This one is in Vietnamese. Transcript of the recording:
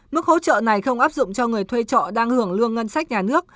mức hỗ trợ này không áp dụng cho người thuê trọ đang hưởng lương ngân sách nhà nước